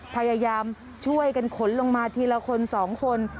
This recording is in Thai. พยายามช่วยกันขนลงมาทีละคน๒คน